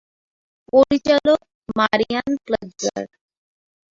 পরিচালক: মারিয়ান প্লেৎজার।